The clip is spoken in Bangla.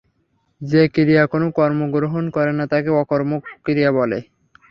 যে ক্রিয়া কোন কর্ম গ্রহণ করে না তাকে অকর্মক ক্রিয়া বলে।